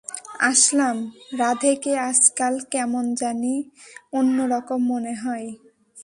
আসলাম, রাধে কে আজকাল কেমন জানি অন্য রকম মনে হয়।